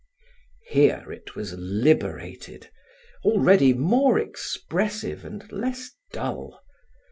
Here it was liberated, already more expressive and less dull.